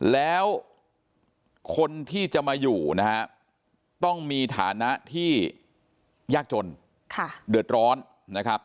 แล้วคนที่จะมาอยู่นะฮะต้องมีฐานะที่ยากจนเดือดร้อนนะครับ